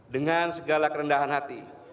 dengan segala kerendahan hati